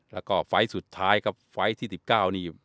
แล้วก็ไฟล์ทสุดท้ายก็ไฟล์ทที่๑๙นี้